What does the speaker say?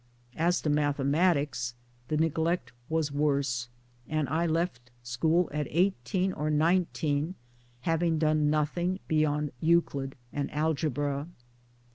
As to mathematics the neglect was worse and I left school at eighteen or nineteen having done nothing beyond Euclid and Algebra.